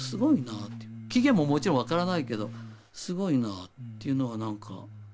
起源ももちろん分からないけどすごいなっていうのが何か。